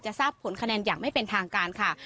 ทราบผลคะแนนอย่างไม่เป็นทางการค่ะ